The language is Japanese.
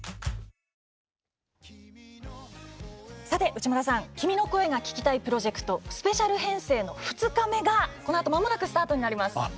内村さん「君の声が聴きたい」プロジェクトスペシャル編成の２日目がこのあとまもなくスタートになります。